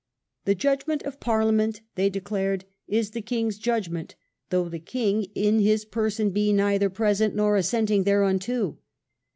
"The judgment of Parliament," they declared, "is the king's judgment, though the king in his person be neither present nor assenting thereunto."